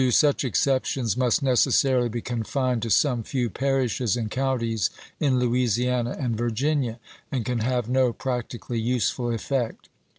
Such exceptions must necessarily be confined to some few parishes and counties in Louisiana and Virginia, and can have no practically useful effect.